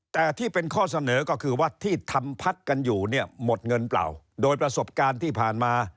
แต่ที่เป็นข้อเสนอก็คือว่าที่ทำพักกันอยู่เนี่ยหมดเงินเปล่าโดยประสบการณ์ที่ผ่านมา